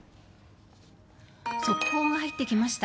速報が入ってきました。